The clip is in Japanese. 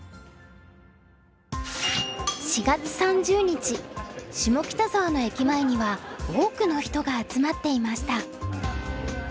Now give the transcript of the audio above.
４月３０日下北沢の駅前には多くの人が集まっていました。